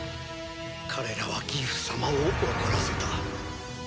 彼らはギフ様を怒らせた。